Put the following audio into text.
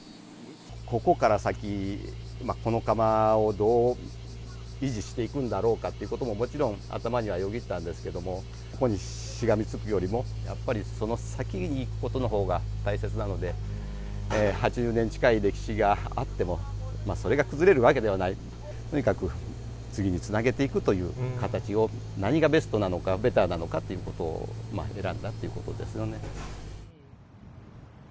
ここから先、この窯をどう維持していくんだろうかということも、もちろん頭にはよぎったんですけども、そこにしがみつくよりも、やっぱりその先に行くことのほうが大切なので、８０年近い歴史があっても、それが崩れるわけではない、とにかく次につなげていくという形を、何がベストなのか、ベターなのかということを選んだっていうことですよね。